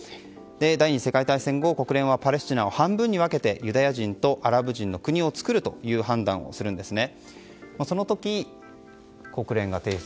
第２次世界大戦後国連はパレスチナを半分に分けてユダヤ人とアラブ人の国を作るという判断をするんですね。